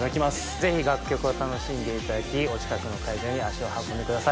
ぜひ楽曲を楽しんでいただきお近くの会場に足を運んでください。